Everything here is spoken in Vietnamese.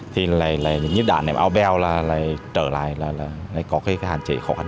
thì là những đàn